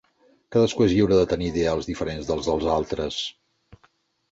Cadascú és lliure de tenir ideals diferents dels dels altres.